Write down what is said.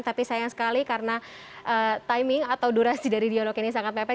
tapi sayang sekali karena timing atau durasi dari dialog ini sangat pepet